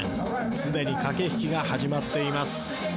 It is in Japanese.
すでに駆け引きが始まっています。